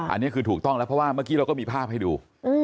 อันนี้คือถูกต้องแล้วเพราะว่าเมื่อกี้เราก็มีภาพให้ดู